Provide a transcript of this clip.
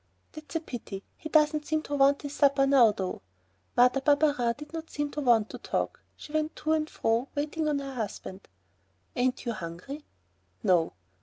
"That's a pity. He doesn't seem to want his supper now, though." Mother Barberin did not seem to want to talk. She went to and fro, waiting on her husband. "Ain't you hungry?" "No."